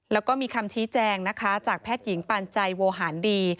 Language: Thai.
แล้วก็มีคำชี้แจงนะคะจากแพทย์หญิงปันใจโวหารดี